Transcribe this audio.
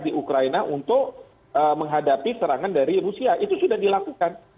jadi mereka sudah memberikan bantuan untuk menghadapi serangan dari rusia itu sudah dilakukan